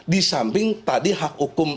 disamping tadi hak hukum